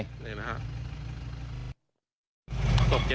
นี่นะฮะ